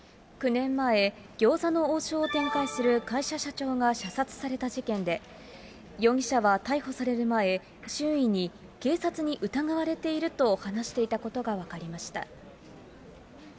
９年前、餃子の王将を展開する会社社長が射殺された事件で、容疑者は逮捕される前、周囲に警察に疑われていると話していたことが分かりました。